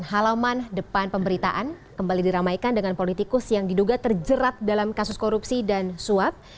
halaman depan pemberitaan kembali diramaikan dengan politikus yang diduga terjerat dalam kasus korupsi dan suap